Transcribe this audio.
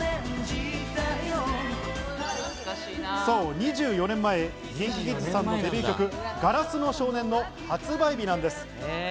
２４年前、ＫｉｎＫｉＫｉｄｓさんのデビュー曲『硝子の少年』の発売日なんです。